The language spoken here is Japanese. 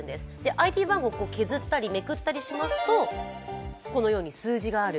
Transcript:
ＩＤ番号を削ったり、めくったりしますとこのように数字がある。